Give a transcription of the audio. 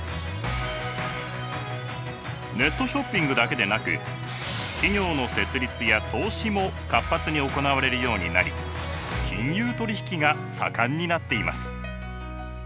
ネットショッピングだけでなく企業の設立や投資も活発に行われるようになり金融取引が盛んになっています。